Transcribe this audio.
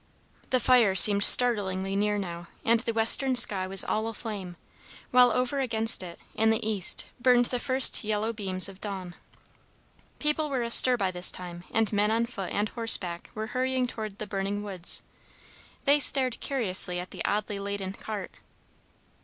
The fire seemed startlingly near now, and the western sky was all aflame, while over against it, in the east, burned the first yellow beams of dawn. People were astir by this time, and men on foot and horseback were hurrying toward the burning woods. They stared curiously at the oddly laden cart.